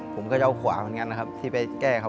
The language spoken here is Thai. ผมก็จะเอาขวาเหมือนกันนะครับ